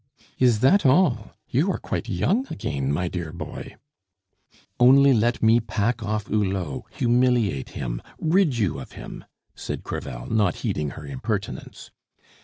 "Is that all! You are quite young again, my dear boy!" "Only let me pack off Hulot, humiliate him, rid you of him," said Crevel, not heeding her impertinence!